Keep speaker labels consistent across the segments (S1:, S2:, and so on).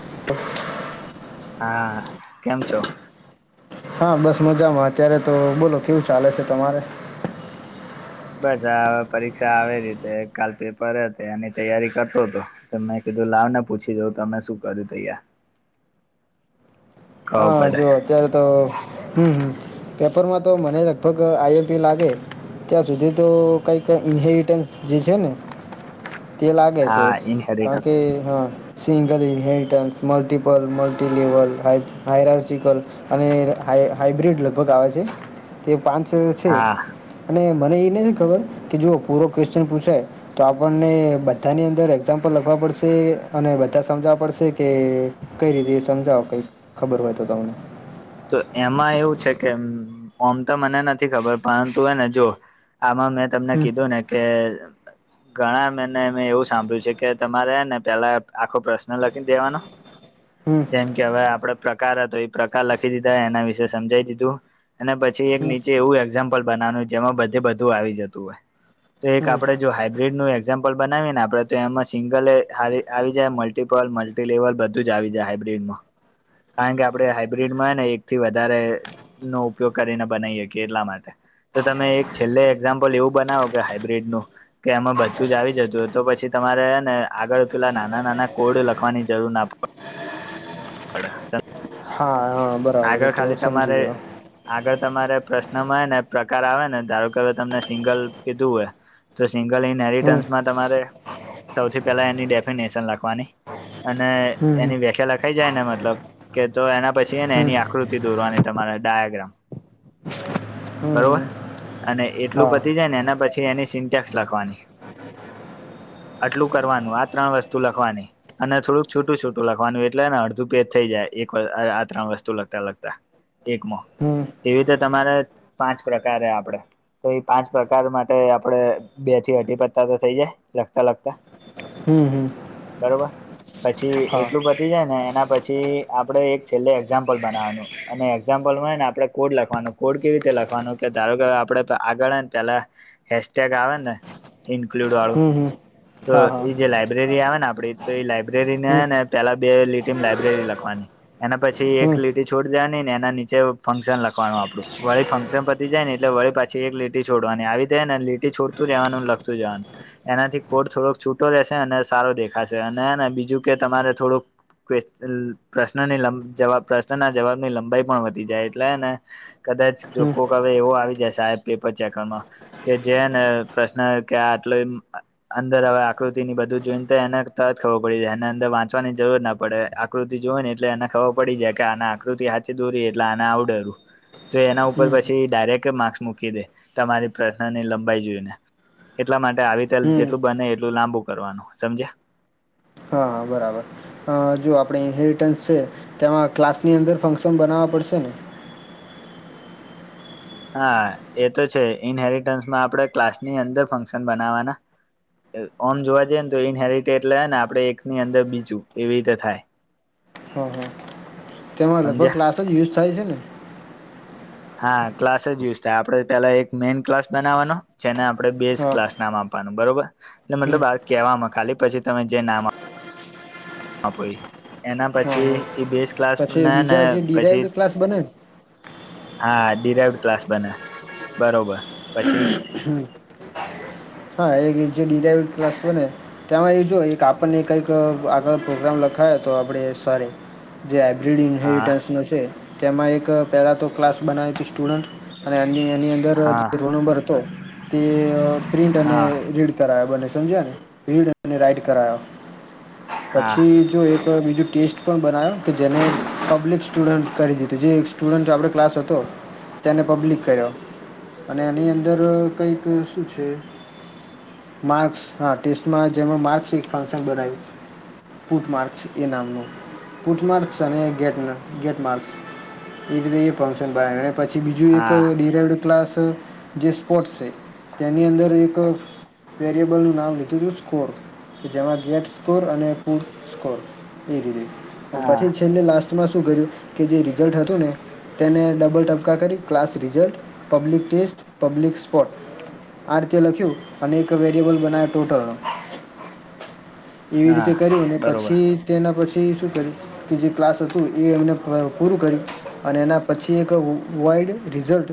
S1: [inaudible]
S2: હા કેમ છો?
S1: હા બસ મજામાં અત્યારે તો બોલો કેવું ચાલે છે તમારે.
S2: બસ આ પરીક્ષા આવે છે તો કાલ પેપર હતી એની તૈયારી કરતો હતો. તો મેં કીધું લાવ ને પૂછી જોઉ તમે શું કર્યું તૈયાર. ખબર
S1: હા
S2: પડે
S1: જો અત્યારે તો હમમ પેપરમાં તો મને લગભગ આઈએમપી લાગે ત્યાં સુધી તો કઈક ઇન્હેરિટેન્સ જે છે ને તે લાગે છે
S2: હા ઇનહેરિટન્સ
S1: બાકી હા સિંગલં ઈનહરિએટન્સ, મલ્ટીપલ, મલ્ટીલેવલ હટ હાયરાર સિકલ અને હાઈ હાઈબ્રિડ લગભગ આવે છે. તે પાંચેય છે
S2: હા
S1: અને મને એ નથી ખબર કે જો પૂરો કક્યુએશન પૂછાય તો આપણને બધાની અંદર ફોર એક્ઝામ્પલ લખવા પડશે અને બધા સમજાવવા પડશે કે કઈ રીતે સમજાવો કંઈક ખબર હોય તો તમેને
S2: તો એમાં એવું છે કે ઓમ તો મને નથી ખબર પરંતુ એને જો આમાં મેં તમને
S1: હમ
S2: કીધું ને કે ઘણા મેને મેં એવું સાંભળ્યું છે કે તમારે ને પેલા આખો પ્રશ્ન લખી દેવાનો
S1: હમ
S2: જેમ કે હવે આપડે પ્રકાર હતો એ પ્રકાર લખી દીધા એના વિશે સમજાઈ દીધું અને પછી એક
S1: હમ
S2: નીચે એવું એક્ઝામ્પલ બનાવાનું જેમાં બધે બધું આવી જતું હોય તો એક
S1: હમ
S2: આપડે જો હાઈબબ્રિડ નું એક્ઝામ બનાવીને આપડે તો એમાં સિંગલ આવી જાય મલ્ટીપલ મલ્ટીલેેવલ બ ધુજ આવી જાય હાયબ્રિડ માં કારણ કે આપડે બ્રિડમાં હેને એક થી વધારે નો ઉપયોગ કરીને બનાવી હકીયે એટલા માટે તો તમે એક છેલ્લે એક્ઝામ્પલ એવું બનાવો કે હાઈબ્રીડ નું કે આમાં બધું જ આવી જતું હોય તો પછી તમારે ને આગળ પેલા નાના નાના કોડ લખવાની જરૂર ના પડે પડે [unintelligible]
S1: હા હા બરાબર
S2: આગળ
S1: તો
S2: ખાલી
S1: સમજી
S2: તમારે
S1: ગયો
S2: આગળ તમારે પ્રશ્નમાં હેને પ્રકાર આવે ને ધારો કે હવે તમને સિંગલ કીધું હોય તો સિંગલ ઇન
S1: હમ
S2: હેરિટન્સમાં તમારે સૌથી પહેલા એની ડેફિનેશન લખવાની અને
S1: હમ
S2: એની વેખ્યા લખાઈ જાય ને મતલબ કે તો એના પછી ને
S1: હમ
S2: એની આકૃતિ દોરવાની તમારે ડાયાગ્રામ
S1: હમ
S2: બરોબર
S1: હમ
S2: અને એટલું
S1: હા
S2: પતી જાય ને એના પછી એની સિન્ટેક્સ લખવાની આટલું કરવાનું આ ત્રણ વસ્તુ લખવાની અને થોડુંક છૂટું છૂટું લખવાનું એટલેને અડધું પેજ થઈ જાય એક આ ત્રણ વસ્તુ લગતા લગતા એકમાં
S1: હમ
S2: એવી તો તમારે પાંચ પ્રકાર હ આપડે તો એ પાંચ પ્રકાર માટે આપડે બે થી અઢી પત્તા તો થઇ જાય લખતા લખતા
S1: હમ હમ
S2: બરોબર પછી
S1: હા
S2: એટલું બધ થી જાય ને એના પછી આપણે એક છેલ્લે એક્ઝામ્પલ બનાવાનું અને એક્ઝામ્પલમાં ને આપણે કોડ લખવાનું કોડ કેવી રીતે લખવાનું કે ધારો કે આપડે આગળ આવેને પેલા હેેશટેગ આવે ને ઇન્ક્લુડ વાળું
S1: હમ હમ
S2: તો
S1: હા હા
S2: એ જે લાઈબ્રેરી આવે ને આપડી તો એ લાઈબ્રેરી ને
S1: હમ
S2: ને પેલા બે લીટીમા લાઈબ્રેરી લખવાની એના પછી
S1: હમ
S2: એક લીટી છોડ દેવાની ને એના નીચે ફંક્શન લખવાનું આપડું વાળ ફંક્શન પ જાય ને એટલે વળી પાછી એક લીટી છોડવાની આવી જાય ને લીટી છોડતું જવાનું લખતું જવાનું એનાથી કોટ થોડોક છૂટો રહેશે અને સારો દેખાશે અને બીજું કે તમારે થોડુંક પ્રશ્નની જવાબ પ્રશ્નના જવાબની લંબાઈ પણ વધી જાય એટલે હેને કદાચ જો
S1: હમ
S2: કોકવે એવો આવી જાય સાહેબ પેપર ચેકરમાં કે જે ને પ્રશ્ન કે આટલો અંદર હવે આકૃતિ ની બધું જોઈને તો એને તરત ખબર પડી એને અંદર વાંચવાની જરૂર ના પડે આકૃતિ જોય ને એટલે એને ખબર પડી જાય કે આ આકૃતિ હચ દોરી એટલે આને આવડે તો એના ઉપર
S1: હમ
S2: પછી ડાયરેક્ટ માર્ક્સ મૂકી દે તમારી પ્રશ્નની લંબાઈ જોઈને એટલા માટે આવીતેલ
S1: હમ
S2: જેટલું બને એટલું લાંબુ કરવાનું સમજ્યા?
S1: હા બરાબર અ જો આપણે હેરિટેન્સ છે તેમાં ક્લાસની અંદર ફંક્શન બનાવવા પડશે ને?
S2: હા એ તો છે ઇન હેરિટન્સમાં આપણે ક્લાસ ની અંદર ફંક્શન બનાવવાના આમ જોવા જઈએ ને તો ઇન હેરિટેટ લે ને આપડે એકની અંદર બીચું એવી રીતે થાય.
S1: હ હ તેમાં લગભગ
S2: સમજ્યા
S1: ક્લાસ જ યુઝ થાય છે ને?
S2: હા ક્લાસ જ યુઝ થાય આપડે પેલા એક મેઈન ક્લાસ બનાવવાનો જેને આપડે બેઝ
S1: હા
S2: ક્લાસ નામ આપવાનું બરોબર એટલે
S1: હમ
S2: મતલબ આ કેહેવામાં ખાલી પછી તમે જે નામ હા પાઇ એના
S1: હા
S2: પછી
S1: હા
S2: એ બેસ ક્લાસ
S1: પછી
S2: ને ને
S1: બીજા જે
S2: પછી
S1: ડિરાઈવડ ક્લાસ બને ને
S2: હા ડિરાઇવડ ક્લાસ બનાયા, બરોબર પછી.
S1: હા એક જે ડિરાઇવડ ક્લાસ બન્યો તેમાં એ જો એક આપણને કઈક આગળ પ્રોગ્રામ લખાયા તો આપણેે સર એ જે હાઈબ્રીડ
S2: હા
S1: ઇન્હેરિટન્સનો છે તેમાં એક પેહલાં તો ક્લાસ બનાવી સ્ટુડન્ટ અને એની એની અંદર
S2: હા
S1: જે રોલ નંબર હતો એ પ્રિન્ટ અને
S2: હા
S1: રીડ કરાવે બને, સમજ્યા ને રીડ અને રાઈટ કરાવે
S2: હા
S1: પછી જો એક બીજું ટેસ્ટ પણ બનાયો કે જેને પબ્લિક સ્ટુડન્ટ કરી દીધું જે સ્ટુડન્ટ આપણે ક્લાસ હતો તેને પબ્લિક કર્યો અને એની અંદર કંઈક શું છે માર્ક્સ હા ટેસ્ટમાં જેમાં માર્ક્સ એક ફંક્શન બનાવ્યું. પુટમાર્ક એ નામનું પુટમાર્ક અને ગેટ ગેટમાર્ક. એ રીતે ઈ ફંક્શન બના પછી બીજું એક
S2: હા
S1: ડિરાવડ ક્લાસ જે સ્પોર્ટ છે. તેની અંદર એક વેરિયેબલનું નામ લીધું તું સ્કોર જેમાં ગેટ સ્કોર અને પુટ સ્કોર એ રીતે
S2: હા
S1: પછી તેમને લાસ્ટમાં શું કર્યું કે જે રિઝલ્ટ હતું ને તેને ડબલ ટપકા કરી, class result, public test, public spot, આ રીતે લખ્યું અને એક વેરિએેબલ બનાવે ટોટલનો એવી રીતે
S2: હા
S1: કરિ અને
S2: બરોબર
S1: પછી તેના પછી શું કર્યું કે જે ક્લાસ હતું એ એમને અ પૂરું કર્યું અને એના પછી એક વાઈડ રિઝલ્ટ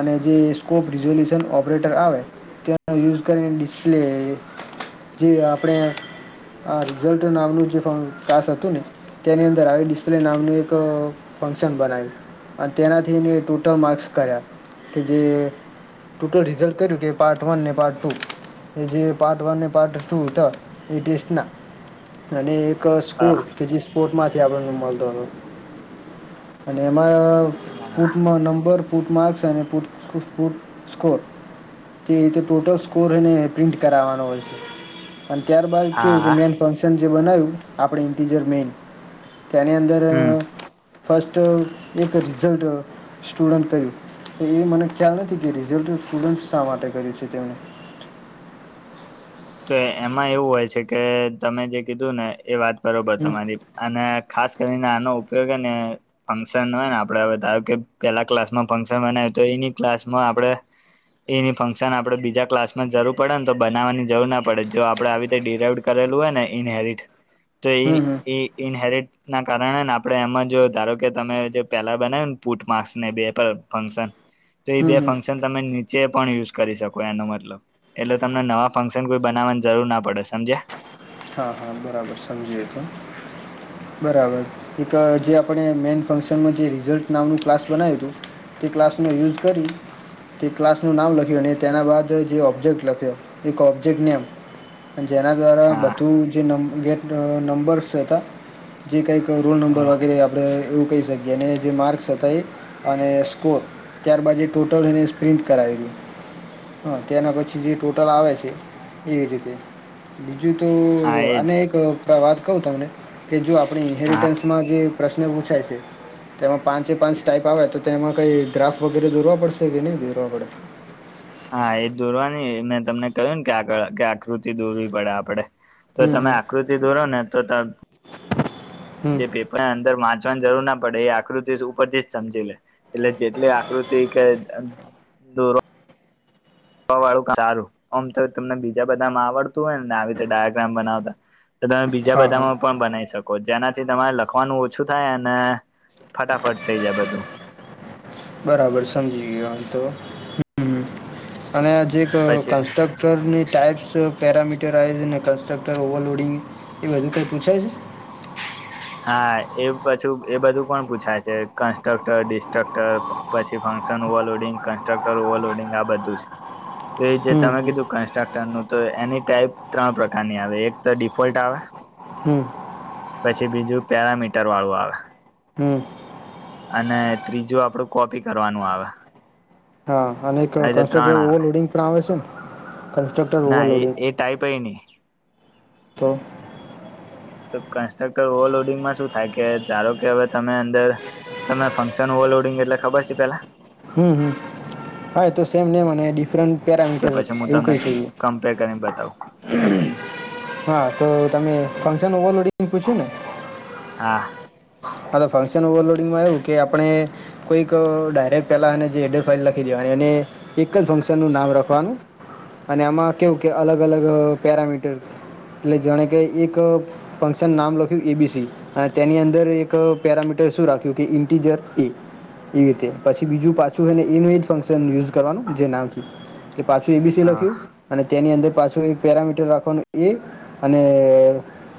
S1: અને જે સ્કોપ રિઝોલ્યુશન ઓપરેટર આવે તેનો યુઝ કરીને ડિસ્પ્લે જે આપણે આ રિઝલ્ટ નામનું જે કાસ હતું ને તેની અંદર આવી ડિસ્પ્લે નામનું એક ફંક્શન બનાવ્યું અને તેનાથીને ટોટલ માર્ક્સ કર્યા કે જે ટોટલ રિઝલ્ટ કર્યું કે એ પાર્ટ વન ને પાર્ટ ટુ એ જે પાર્ટ વન ને પાર્ટ ટુ હતા એ ટેસ્ટ ના અને એક
S2: હા
S1: સ્કૂર કે જે સ્પોર્ટમાંથી આપણ મળતો હતો. અને એમાં
S2: હા
S1: પૂટમાં નંબર પૂટ માર્ક્સ અને પૂ સ્કોર તે એ રીતે ટોટલ સ્કોર એને પ્રિન્ટ કરાવવાનો હોય છે. અને ત્યારબાદ કેવું કે
S2: હા
S1: મેન ફંક્શન જે બનાવ્યું આપણે ઇન્ટીરિયર મેઈન, તેની અંદર દે
S2: હમ
S1: ફસ્ટ એક રિઝલ્ટ સ્ટુડન્ટ કર્યું એ મને ખ્યાલ નથી એ રિઝલ્ટ ફૂડ જ શા માટે કર્યું છે તેમણે?
S2: તો એમાં એવું હોય છે કે તમે જે કીધું ને એ વાત બરોબર
S1: હમ
S2: તમારી. અને ખાસ કરીને આનો ઉપયોગને ફંક્શન હોય ને આપડે હવે ધારો કે પેલા ક્લાસમાં ફંક્શન બનાવ્યું તો એની ક્લાસમાં આપડે એની ફંક્શન આપડે બીજા ક્લાસમાં જરૂર પડે ને તો બનાવવાની જવું ના પડે જો આપડે આવી રીતે ડિરાઇવડ કરેલું હોય ને ઇનહેરિટ તો એ
S1: હમ હમ
S2: ઈ ઇનહેરિટ ના કારણે ને આપડે એમાં જો ધારો કે તમે જે પેલા બનાયું ને પુટ માસ ને બે ફંક્શન
S1: હ
S2: તો એ બે ફંક્શન તમે નીચે પણ યુઝ કરી શકો એનો મતલબ એટલે તમને નવા ફંક્શન કોઈ બનાવાની જરૂર ના પડે સમજ્યા?
S1: હા હા બરાબર સમજી એ તો. બરાબર એક જે આપણે મેન ફંક્શનમાં જે રિઝલ્ટ નામનું ક્લાસ બનાયુંતું તે ક્લાસનો યુઝ કરી તે ક્લાસનું નામ લખ્યું અને તેના બાદ જે ઓબ્જેક્ટ લખ્યો એક ઓબ્જેક્ટ નેમ અને જેના દ્વારા
S2: હા
S1: બધું જેે નંબર્સ હતા જે કઈક રોલ નંબર
S2: હા
S1: વગેરે આપણે એવું કહી શકીએ અને જે માર્ક્સ હતા એ અને સ્કોર ત્યારબાછી ટોટલ એને સ્પ્રિન્ટ કરાવેલું હા તેના પછી જે ટોટલ આવે છે એવી રીતે બીજું તો આ
S2: એજ
S1: એક વાત કવ તમને કે જો આપણી
S2: હા
S1: ઇનહેરીટેન્સ માં જે પ્રશ્ન પૂછાય છે તેમાં પાંચે પાંચ ટાઈપ આવે તો તેમાં કઈ ગ્રાફ વગેરે દોરવા પડશે કે નહી દોરવા પડે
S2: હા એ દોરવાની મેં તમને કહ્યું ને કે આળ કે આકૃતિ દોરવી પડે આપડે તો
S1: હમ
S2: તમે
S1: હમ
S2: આકૃતિ દોરો ને તો ત
S1: હમ
S2: જે પેપરને અંદર વાંચવાની જરૂર ના પડે એ આકૃસ ઉપરથી જ સમજી લે એટલે જેટલી આકૃતિ કે દો વાળું સારું આમ તો તમને બીજા બધામાં આવડતું હોય ને આવી રીતે ડાયયાગ્રામ બનાવતા તો તમે બીજા
S1: હા હા
S2: બધામાં પણ બનાવી શકો જેનાથી તમારે લખવાનું ઓછું થાય અને ફટાફટ થઈ જાય બધું
S1: બરાબર સમજી ગયો તો અને આ જે એક
S2: પછી
S1: કાસ્ટક ટક્ટરની ટાઈઇપ્સ પેરામીટરાઇઝ ને કન્સ્ટ્રક્ટર ઓવરલોડિંગ એ બધું કંઈ પૂછાય છે
S2: હા એ પછું એ બધું પણ પૂછાય છે કન્સ્ટ્રક્ટર ડિસ્ટ્રક્ટર પછી ફંક્શન ઓવરલોડિંગ કન્સ્ટ્રક્ટર ઓવરલોડિંગ આ બધું છે
S1: હ
S2: તો એ જે તમે કીધું કન્સ્ટ્રક્ટર નું તો એની ટાઈપ ત્રણ પ્રકારની આવે એક તો ડિફોલ્ટ આવે
S1: હમ
S2: પછી બીજું પેરામીટર વાળું આવે
S1: હમ
S2: અને ત્રીજું આપડું કોપી કરવાનું આવે
S1: અને
S2: આ રીતે
S1: કન્સ્ટ્રકસન
S2: ત્રણ આવે
S1: ઓવરલોડિંગ પણ આવે છે ને કન્સ્ટ્રકસન કટર
S2: ના એ
S1: ઓવરલોડીગ
S2: એ ટાઈપ એ નહી
S1: તો
S2: તો કન્સ્ટ્રક્ટર ઓવરલોડિંગમાં શું થાય કે ધારો કે હવે તમે અંદર તમે ફંક્શન ઓવરલોડિંગ એટલે ખબર છે પેલા
S1: હમ હમ હા એ તો સેમ નેમ અને ડિફરન્ટ
S2: તો
S1: પેરામીટર
S2: પછી હું
S1: એવું
S2: તમને
S1: કઈ થયું
S2: કમ્પેર કરીને બતાવું
S1: હા તો તમે ફંક્શન ઓવરલોડિગ પૂછ્યું ને
S2: હા
S1: હા તો ફંક્શન ઓવરલોડિંગમાં એવું કે આપણે કોઈક ડાયરેક્ટ પેલા અને જે એડફાઇલ લખી દેવાની અને એની એક જ ફંક્શન નું નામ રખવાનું અને આમાં કેવું કે અલગ અલગ પેરામીટર એટલે જાણે કે એક ફંક્શન નામ લખ્યું એ બી સી અને તેની અંદર એક એક પેરામીટર શું રાખ્યું કે ઇન્ટીજર એ એવી રીતે પછી બીજું પાછું એનું એ જ ફંક્શન યુઝ કરવાનું જે નામથી એટલે પાછું એ બી સી
S2: હા
S1: લખ્યું અને તેની અંદર પાછું એક પેરામીટર રાખવાનું એ અને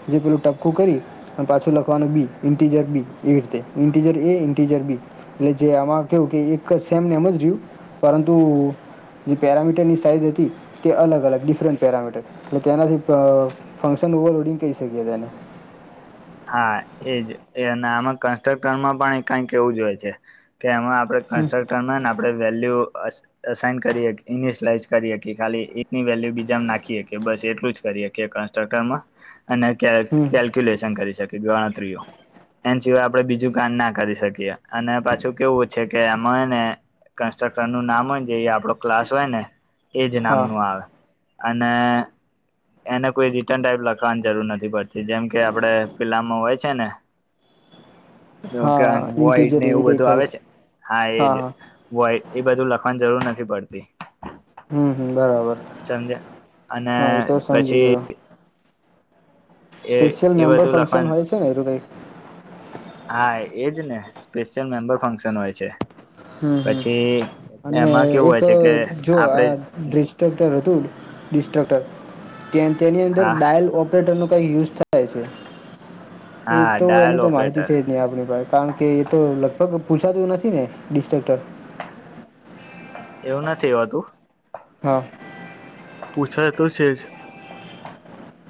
S1: જે પેલું ટપકું કરી અને પાછું લખવાનું બી ઈન્ટીજર બી એવી રીતે ઈન્ટીજર એ ઇન્ટીજર બી એટલે જે આમાં કેવું કે એક જ સેમને એમ જ રહ્યું પરંતુ જે પેરામીટરની સાઇઝ હતી તે અલગ અલગ ડિફરન્ટ પેરામીટર એટલે તેનાથી ફંક્શન ઓવરલોડિંગ કહી શકીએ તેને
S2: હા એજ એ અને આમાં કન્સ્ટ્રક્ટરમાં પણ એ કઈક કેવું જ હોય છે. તેમાં આપડે
S1: હમ
S2: કન્સ્ટ્રક્ટરના આપડે વેલ્યુ અસાઇન કરીએ ઇનિશલાઇઝ કરીએ કે ખાલી એકની વેલ્યુ બીજામાં નાખીએ કે બસ એટલું જ કરીએ કે ચકામાં અને
S1: હમ
S2: કેલ્ક્યુલેશન કરી શકે ગણતરીઓ એના સિવાય આપડે બીજું કામ ના કરી શકીએ અને પાછું કેવું છે કે આમાં એને કન્સ્ટ્રક્ટર નું નામ હોય છે આપડો ક્લાસ હોય ને એજ
S1: હા
S2: નામનું આવે. અને એને કોઈ રિટન ટાઈપ લખવાની જરૂર નથી પડતી જેમ કે આપડે પેલામાં હોય છે ને તો કે
S1: હા
S2: વોઈટ
S1: ઇન્ટીજર
S2: ને
S1: એવી
S2: એવું
S1: કંઈક
S2: બધું
S1: હોય
S2: આવે છે હા એજ વોઈટ એ બધું લખવાની જરૂર નથી પડતી.
S1: હમ્મ, હમ્મ બરાબર
S2: સમજ્યા અને
S1: હા એતો સમજી
S2: પછી
S1: ગયો.
S2: એ
S1: સ્પેશિયલ
S2: એ
S1: મેમ્બર
S2: બધું
S1: ફંક્શન
S2: લખવાનું
S1: હોય છે ને એરું કઈક
S2: હા, એજ ને સ્પેશિયલ મેમ્બર ફંક્શન હોય છે.
S1: હમ્મ,
S2: પછી
S1: હમ્મ અને
S2: એમાં કેવું
S1: એક
S2: હોય છે કે
S1: અહ જો
S2: આપણે
S1: આ ડિસ્ટ્રક્ટર હતું ડિસ્ટ્રક્ટર તેન તેની અંદર
S2: હા
S1: ડાયલ ઓફ ઓપરેટરનો કંઈક યુઝ થાય છે એ
S2: હા
S1: તો
S2: ડાયલ
S1: એની તો માહિતી
S2: ઓપરેટર
S1: છે જ નહીં આપણી પાહે. કારણ કે એ તો લગભગ પૂછાતું નથી ને ડિસ્ટ્રક્ટર
S2: એવું નથી હોતું.
S1: હા.
S2: પૂછા તો છે જ.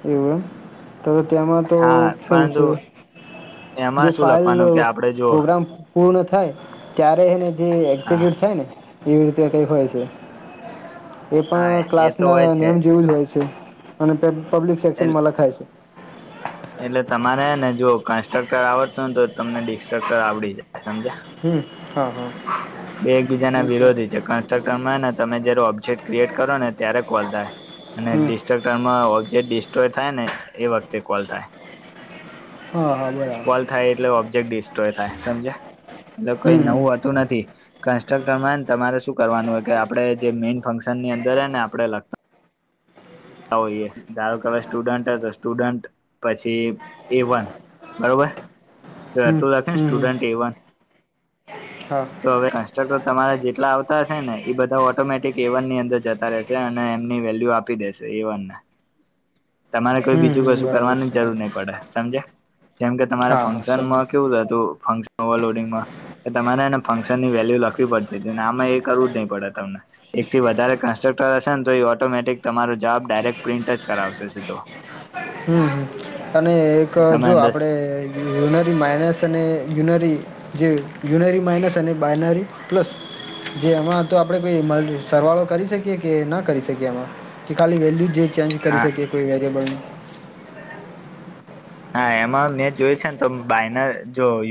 S1: એવું એમ તો તેમાં તો
S2: હા
S1: કેવું
S2: પરંતુ
S1: છે જે
S2: એમાં શું
S1: ફાઇલ
S2: લખવાનું કે
S1: અહ
S2: આપડે જો
S1: પ્રોગ્રામ પૂર્ણ થાય ત્યારે એને જે
S2: હા
S1: એક્ઝિક્યુટ થાય ને તે એવી રીતે કઈક હોય છે. એ
S2: હા
S1: પણ
S2: એ
S1: ક્લાસ
S2: તો હોય
S1: ના
S2: જ છે
S1: નેમ જેવું જ હોય છે. અને પબ્લિક સેક્શનમાં લખાય છે.
S2: એટલે તમારે ને જો કન્સ્ટ્રક્ટર આવડતું હો ને તો તમને ડિસ્ટ્રક્ટર આવડી જાય સમજિયા?
S1: હમ્મ, હા, હા.
S2: બે એકબીજાના વિરોધી
S1: હમ
S2: છે, કન્સ્ટ્રક્ટરમાં ને તમે જયારે ઓબ્જેટ ક્રિએટ કરો ને ત્યારે કોલ થાય. અને ડિસ્ટક્ટરમાં ઓબ્જેક્ટ ડિસ્ટ્રોય થાય ને એ વખતે કોલ થાય.
S1: હા, હા બરા
S2: કોલ થાય એટલે ઓબ્જેક્ટ ડિસ્ટ્રોય થાય સમજિયા એટલે કોઈ
S1: હમ હમ
S2: નવું હોતું નથી. કન્સ્ટ્રક્ટરમાં ને તમારે શું કરવાનું હો કે આપડે જે મેઈન ફંક્શનની અંદર ને આપડે લખતા હોએ ધારો કે સ્ટુડન્ટ તો સ્ટુડન્ટ પછી એ વન બરોબર, તે
S1: હમ
S2: આટલું લખે
S1: હમ હમ
S2: સ્ટુડન્ટ એ વન
S1: હા.
S2: તો હવે કન્સ્ટ્રક્ટર તમારે જેટલા આવતા હશે ને એ બધા ઓટોમેટિક એ વનની અંદર જતા રહે છે અને એમની વેલ્યુ આપી દેશે એ વન ને. તમારે કોઈ
S1: હમ
S2: બીજું
S1: હમ
S2: કશું
S1: બરાબર
S2: કરવાની જરૂર
S1: સમજ
S2: નહી પડે સમજિયા? જેમ કે તમારે
S1: હા હા સમજ
S2: ફંક્શનમાં કેવું હતું ફંક્શન ઓવરલોડીંગમાં કે તમારે એને ફંક્શનની વેલ્યુ લખવી પડતી હતીને આમાં એ કરવું જ નહીં પડે તમને. એકથી વધારે કન્સ્ટ્રક્ટર હશે ને તો એ ઓટોમેટિક તમારે જવાબ ડાયરેક્ટ પ્રિન્ટ જ કરાવશે સીધો.
S1: હમ્મ અને એક
S2: તમે
S1: જો
S2: અંદર
S1: આપડે યુનરી માઇનસ અને યુનરી જે યુનરી માઇનસ અને બાયનરી પ્લસ જે એમાં તો આપડે કોઈ સરવાળો કરી શકીએ કે ના કરી શકીએ આમાં? કે ખાલી વેલ્યુ જે ચેન્જ કરી
S2: હા
S1: શકી કોઈ વેરિયબલ ની?
S2: હા, એમાં મેં જોય છે ને તો બાઈ નર જો ઈ